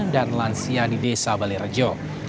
dan lantai yang berada di dalam jalan